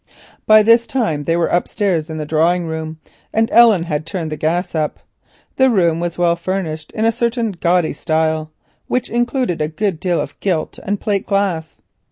By this time they were upstairs in the drawing room, and Ellen had turned the gas up. The room was well furnished in a certain gaudy style, which included a good deal of gilt and plate glass.